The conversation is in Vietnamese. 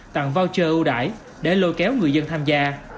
tặng voucher ưu đải để lôi kéo người dân tham gia